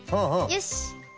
よし。